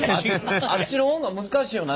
あっちの方が難しいよな。